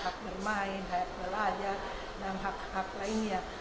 hak bermain hak belajar dan hak hak lainnya